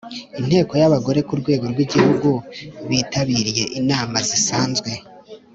Inteko y’Abagore ku Rwego rw’Igihugu bitabiriye inama zisanzwe